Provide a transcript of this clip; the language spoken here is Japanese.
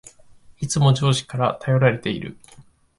いつも上司から頼られている